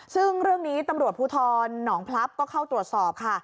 ซึ่งเรื่องนี้ตำรวจภูทรหนองพลับก็เข้าตรวจสอบค่ะ